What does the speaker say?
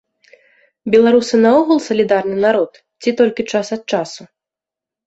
Беларусы наогул салідарны народ ці толькі час ад часу?